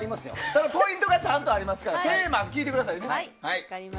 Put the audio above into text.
ただ、ポイントがちゃんとありますからテーマ聞いてください。